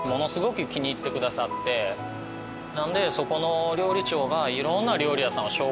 なのでそこの料理長が。